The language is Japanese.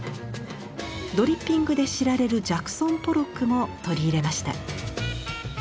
ドリッピングで知られるジャクソン・ポロックも取り入れました。